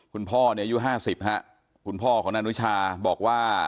คุณพ่ออายุห้าสิบคุณพ่อของนานุชาบอกว่า